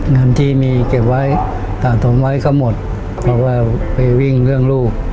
เงินที่มีเก็บไว้สะสมไว้ก็หมดเพราะว่าไปวิ่งเรื่องลูก